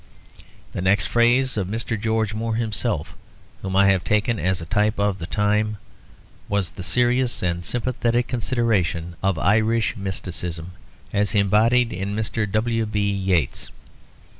The next phase of Mr. George Moore himself, whom I have taken as a type of the time, was the serious and sympathetic consideration of Irish mysticism, as embodied in Mr. W. B. Yeats.